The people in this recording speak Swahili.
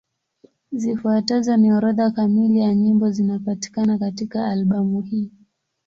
Zifuatazo ni orodha kamili ya nyimbo zinapatikana katika albamu hii.